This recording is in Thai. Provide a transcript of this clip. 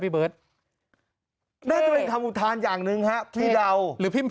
พี่เบิร์ตน่าจะเป็นคำอุทานอย่างหนึ่งฮะพี่เดาหรือพี่